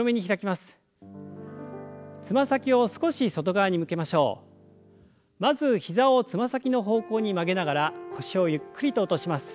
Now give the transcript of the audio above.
まず膝をつま先の方向に曲げながら腰をゆっくりと落とします。